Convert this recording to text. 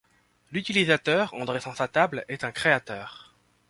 L'utilisateur, en dressant sa table, est un créateur.